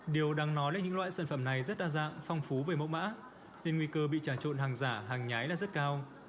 điều đáng nói là những loại sản phẩm này rất đa dạng phong phú về mẫu mã nên nguy cơ bị tràng trộn hàng giả hàng nhái là rất cao